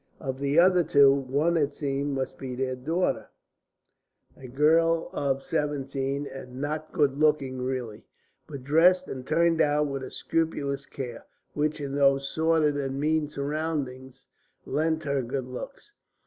Of the other two, one it seemed must be their daughter, a girl of seventeen, not good looking really, but dressed and turned out with a scrupulous care, which in those sordid and mean surroundings lent her good looks.